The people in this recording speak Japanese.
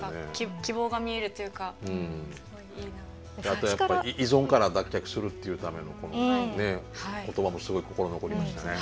あとやっぱ依存から脱却するっていうためのこの言葉もすごい心に残りましたね。